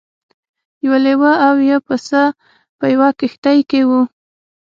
یو لیوه او یو پسه په یوه کښتۍ کې وو.